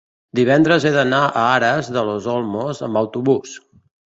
Divendres he d'anar a Aras de los Olmos amb autobús.